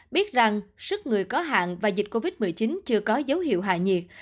biết rằng sức người có hạn và dịch covid một mươi chín chưa có dấu hiệu hạ nhiệt